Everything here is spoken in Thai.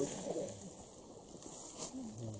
สวัสดีครับ